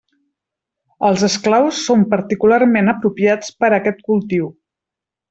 Els esclaus són particularment apropiats per a aquest cultiu.